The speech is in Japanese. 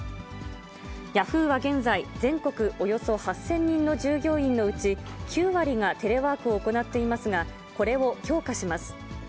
ヤフーは現在、全国およそ８０００人の従業員のうち、９割がテレワークを行っていますが、これを強化します。